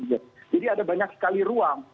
jadi ada banyak sekali ruang